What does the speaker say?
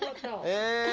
え